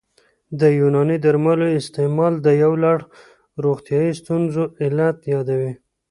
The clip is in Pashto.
د یوناني درملو استعمال د یو لړ روغتیايي ستونزو علت یادوي